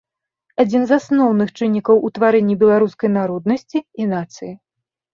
Адзін з асноўных чыннікаў утварэння беларускай народнасці і нацыі.